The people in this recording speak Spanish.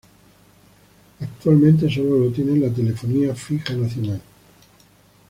Actualmente solo lo tiene en la telefonía fija nacional.